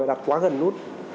đặt quá gần nút